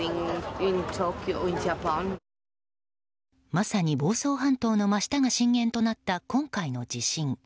まさに房総半島の真下が震源となった今回の地震。